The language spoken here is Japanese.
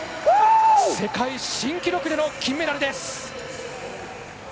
世界新記録での金メダル。